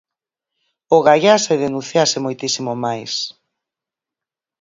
Ogallá se denunciase moitísimo máis.